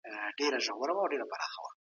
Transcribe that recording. ښار ورو ورو پراختیا مومي.